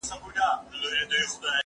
ايا ته سينه سپين کوې،